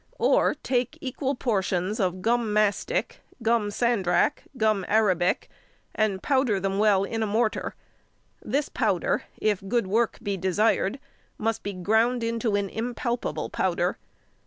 Or, take equal portions of gum mastic, gum sandrac, gum arabic, and powder them well in a mortar. This powder, if good work be desired, must be ground into an impalpable powder.